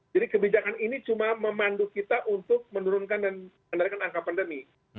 jadi kebijakan ini cuma memandu kita untuk menurunkan dan untuk menarikan angka pandemi